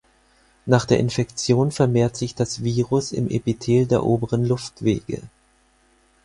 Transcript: Nach der Infektion vermehrt sich das Virus im Epithel der oberen Luftwege.